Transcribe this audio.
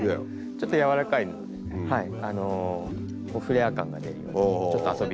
ちょっと柔らかいはいこうフレア感が出るようにちょっと遊び。